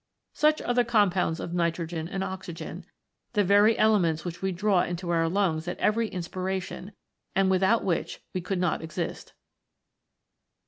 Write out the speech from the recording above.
Such are the compounds of nitrogen and oxygen, the very elements which we draw into our lungs at every inspiration, and without which we could not | exist.